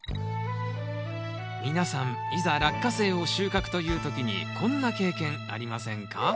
皆さんいざラッカセイを収穫という時にこんな経験ありませんか？